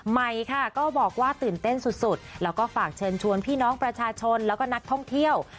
ใหม่ค่ะก็บอกว่าตื่นเต้นสุดแล้วก็ฝากเชิญชวนพี่น้องประชาชนแล้วก็นักท่องเที่ยว